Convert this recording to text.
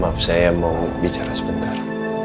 maaf saya mau bicara sebentar